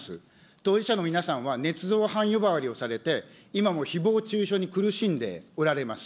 当事者の皆さんはねつ造犯呼ばわりをされて、今もひぼう中傷に苦しんでおられます。